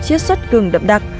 chiết xuất gừng đậm đặc